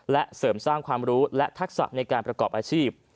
และเสริมสร้างความรู้และทักษะในการประกอบอาชีพ